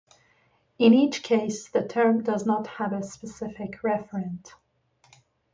In each case, the term does not have a specific referent.